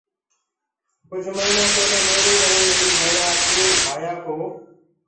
ڪجھ مهيٚنا پيلي ميرو ائيٚنٚ ميريٚ مَيآ تينٚ ڀآيآنٚ ڪآ